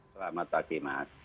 selamat pagi mas